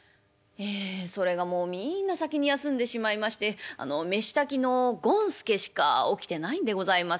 「ええそれがもうみんな先に休んでしまいまして飯炊きの権助しか起きてないんでございますが」。